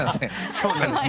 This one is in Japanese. そうなんですね。